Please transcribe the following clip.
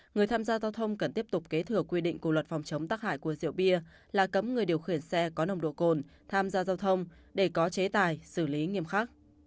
người tham gia giao thông cần tiếp tục kế thừa quy định của luật phòng chống tắc hại của rượu bia là cấm người điều khiển xe có nồng độ cồn tham gia giao thông để có chế tài xử lý nghiêm khắc